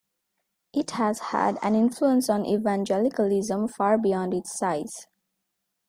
It has had an influence on evangelicalism far beyond its size.